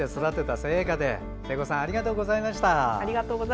生子さんありがとうございました。